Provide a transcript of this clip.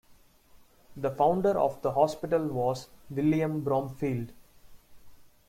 The founder of the hospital was William Bromfeild.